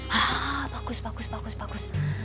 hah bagus bagus bagus